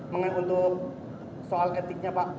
mengenai untuk soal etiknya pak